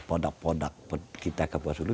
produk produk kita ke kepua sulu